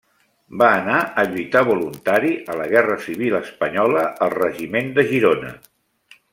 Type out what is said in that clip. Va anar a lluitar voluntari a la guerra civil espanyola al Regiment de Girona.